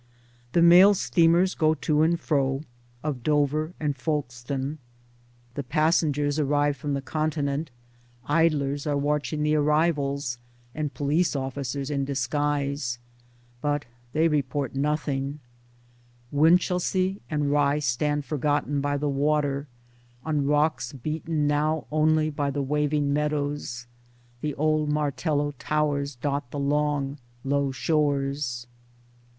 The mail steamers go to and fro, of Dover and Folke stone, the passengers arrive from the Continent, idlers are watching the arrivals, and police officers in disguise — but they report nothing; Winchelsea and Rye stand forgotten by the water, on rocks beaten now only by the waving meadows ; the old martello towers dot the long low shores.